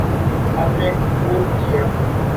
ہم نے خوب کیا۔